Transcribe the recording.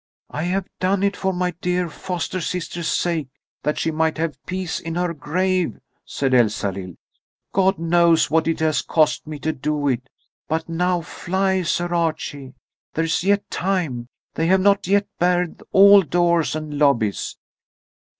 "I have done it for my dear foster sister's sake, that she might have peace in her grave," said Elsalill. "God knows what it has cost me to do it. But now fly, Sir Archie! There is yet time. They have not yet barred all doors and lobbies."